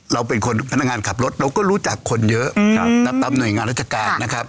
เราเป็นคนพนักงานขับรถเราก็รู้จักคนเยอะนับตามหน่วยงานราชการนะครับ